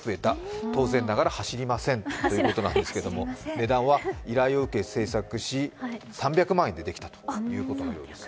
値段は依頼を受け製作し３００万円でできたということです。